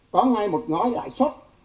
có ngay một gói lãi xuất